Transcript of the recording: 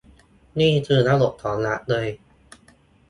นี่คือระบบของรัฐเลย